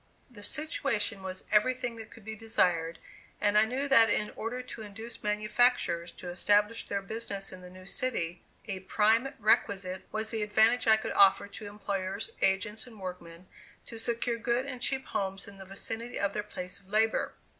The situation was everything that could be desired, and I knew that in order to induce manufacturers to establish their business in the new city, a prime requisite was the advantage I could offer to employers, agents and workmen, to secure good and cheap homes in the vicinity of their place of labor.